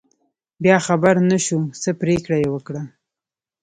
بیا خبر نشو، څه پرېکړه یې وکړه.